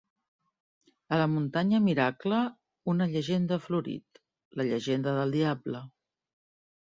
A la muntanya miracle una llegenda ha florit: la llegenda del diable.